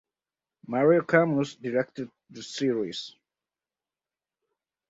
Mario Camus directed the series.